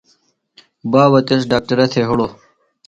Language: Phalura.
بابہ تس ڈاکٹرہ تھےۡ ہِڑوۡ۔